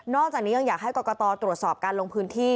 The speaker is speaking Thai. จากนี้ยังอยากให้กรกตตรวจสอบการลงพื้นที่